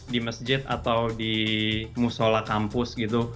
di masjid atau di musola kampus gitu